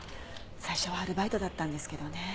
最初はアルバイトだったんですけどね